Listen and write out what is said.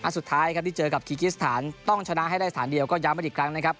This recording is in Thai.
สุดท้ายครับที่เจอกับคีกิสถานต้องชนะให้ได้สถานเดียวก็ย้ำกันอีกครั้งนะครับ